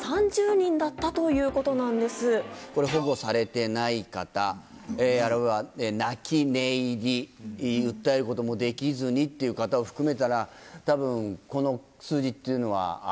これ保護されてない方あるいは泣き寝入り訴えることもできずにっていう方を含めたら多分この。